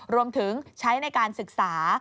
รวมถึงใช้ในการศึกษา